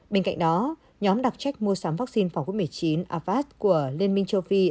bên cạnh đó nhóm đặc trách mua sắm vaccine phòng covid một mươi chín avas của liên minh châu phi